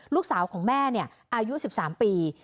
ลูกสาวของแม่อายุ๑๓ปี